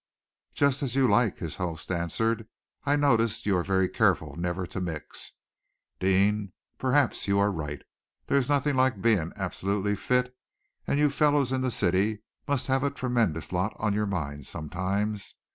"Just as you like," his host answered. "I notice you are very careful never to mix, Deane. Perhaps you are right. There's nothing like being absolutely fit, and you fellows in the city must have a tremendous lot on your minds sometimes.